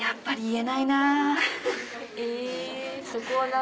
え！